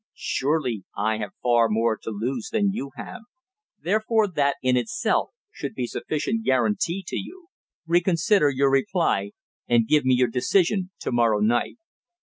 Surely I have far more to lose than you have. Therefore that, in itself, should be sufficient guarantee to you. Reconsider your reply, and give me your decision to morrow night.